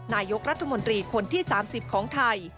นายกรัฐมนตรีคนที่๓๐ของไทย